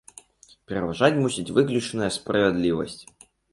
Пераважаць мусіць выключная справядлівасць!